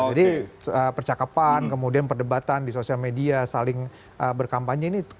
jadi percakapan kemudian perdebatan di sosial media saling berkampanye ini